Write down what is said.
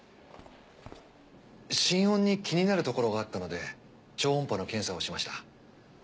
心音に気になるところがあったので超音波の検査をしました。